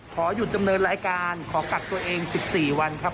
ขอหยุดดำเนินรายการขอกักตัวเอง๑๔วันครับ